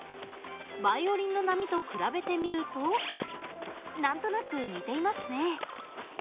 バイオリンの波と比べてみると何となく似ていますね。